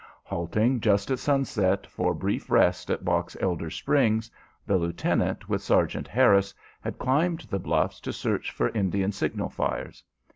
Halting just at sunset for brief rest at Box Elder Springs, the lieutenant with Sergeant Harris had climbed the bluffs to search for Indian signal fires.